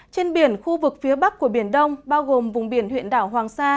trên biển khu vực phía bắc của biển đông bao gồm vùng biển huyện đảo hoàng sa